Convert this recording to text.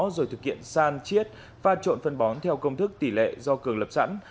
rồi thực hiện san chiết pha trộn phân bón theo công thức tỷ lệ do cường lập sẵn